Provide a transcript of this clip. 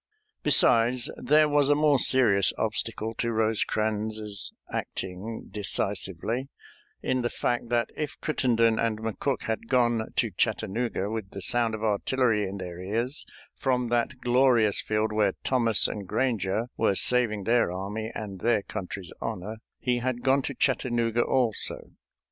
Besides, there was a more serious obstacle to Rosecrans's acting decisively in the fact that if Crittenden and McCook had gone to Chattanooga, with the sound of artillery in their ears, from that glorious field where Thomas and Granger were saving their army and their country's honor, he had gone to Chattanooga also.